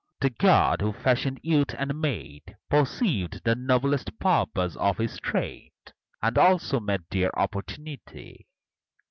The God, who fashioned youth and maid, Perceived the noblest purpose of His trade, And also made their opportunity.